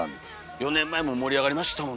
４年前も盛り上がりましたもんねむちゃくちゃ。